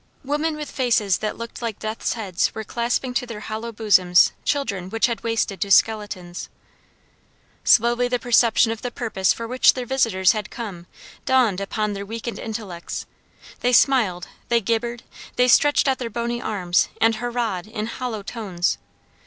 Women with faces that looked like death's heads were clasping to their hollow bosoms children which had wasted to skeletons. Slowly the perception of the purpose for which their visitors had come, dawned upon their weakened intellects; they smiled, they gibbered, they stretched out their bony arms and hurrahed in hollow tones.